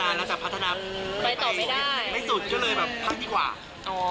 ไปสุดเลยแบบพรุ่งไปที่กว่า